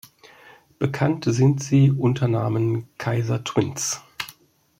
Bekannt sind sie unter Namen Keiser Twins.